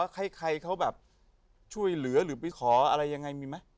ให้ใครเขาแบบช่วยเหลือหรือไปขออะไรยังไงมีไหม